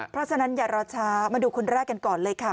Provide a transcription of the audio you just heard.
เพราะฉะนั้นอย่ารอช้ามาดูคนแรกกันก่อนเลยค่ะ